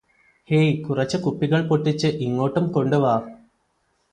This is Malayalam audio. ഹേയ് കുറച്ച് കുപ്പികൾ പൊട്ടിച്ച് ഇങ്ങോട്ടും കൊണ്ട് വാ